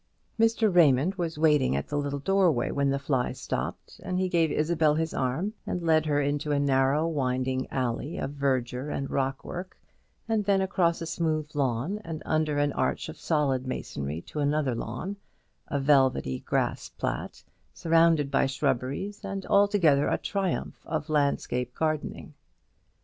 Mr. Raymond was waiting at the little doorway when the fly stopped, and he gave Isabel his arm and led her into a narrow winding alley of verdure and rockwork, and then across a smooth lawn, and under an arch of solid masonry to another lawn, a velvety grass plat, surrounded by shrubberies, and altogether a triumph of landscape gardening.